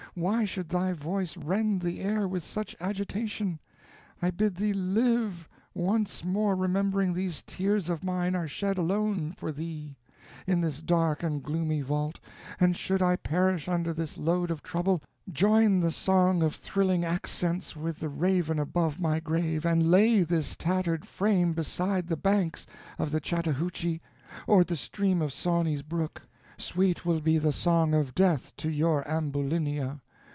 why should thy voice rend the air with such agitation? I bid thee live, once more remembering these tears of mine are shed alone for thee, in this dark and gloomy vault, and should I perish under this load of trouble, join the song of thrilling accents with the raven above my grave, and lay this tattered frame beside the banks of the Chattahoochee or the stream of Sawney's brook; sweet will be the song of death to your Ambulinia.